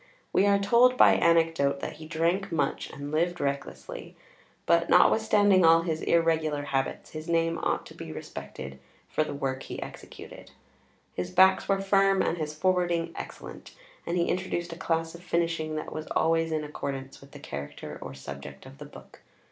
We are told by anecdote, that he drank much and lived recklessly; but notwithstanding all his irregular habits, his name ought to be respected for the work he executed. His backs were firm, and his forwarding excellent; and he introduced a class of finishing that was always in accordance with the character or subject of the book.